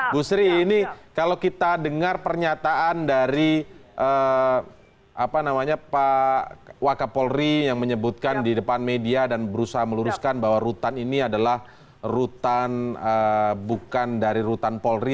bu sri ini kalau kita dengar pernyataan dari pak wakapolri yang menyebutkan di depan media dan berusaha meluruskan bahwa rutan ini adalah rutan bukan dari rutan polri